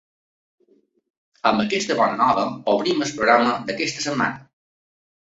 Amb aquesta bona nova obrim el programa d’aquesta setmana.